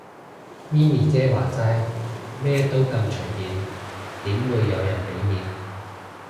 咪咪姐話齋，咩都咁隨便，點會有人俾面